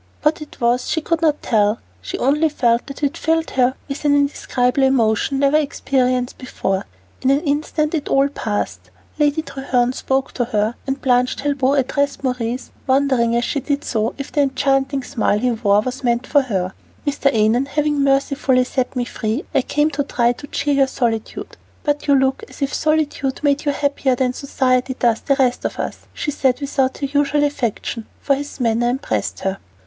What it was she could not tell; she only felt that it filled her with an indescribable emotion never experienced before. In an instant it all passed, Lady Treherne spoke to her, and Blanche Talbot addressed Maurice, wondering, as she did so, if the enchanting smile he wore was meant for her. "Mr. Annon having mercifully set me free, I came to try to cheer your solitude; but you look as if solitude made you happier than society does the rest of us," she said without her usual affectation, for his manner impressed her.